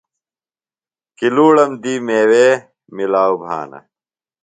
کِلُوڑم دی میوے مِلاؤ بھانہ۔